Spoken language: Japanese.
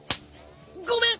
ごめん！